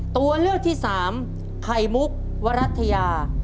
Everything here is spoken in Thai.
ตัวเลือกที่สามไข่มุกวรัฐยา